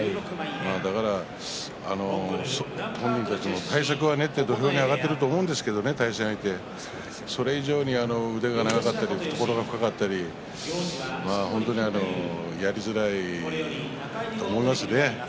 だから本人たちも対策は練って土俵に上がってると思うんですけどそれ以上に腕が長かったり、懐が深かったり本当にやりづらいと思いますね。